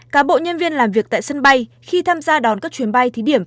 cá bộ nhân viên làm việc tại sân bay khi tham gia đón các chuyến bay thí điểm